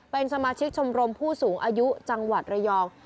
เป็นสมาชิกชมรมผู้สูงอายุจังหวัดระยอง